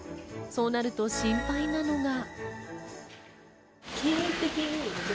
そうなると心配なのが。